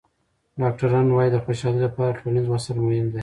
ډاکټران وايي د خوشحالۍ لپاره ټولنیز وصل مهم دی.